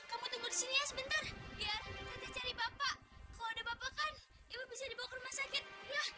kamu tunggu di sini ya sebentar biar nanti cari bapak kalau ada bapak kan ibu bisa dibawa ke rumah sakit